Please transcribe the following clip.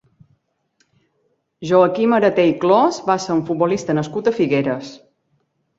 Joaquim Arater i Clos va ser un futbolista nascut a Figueres.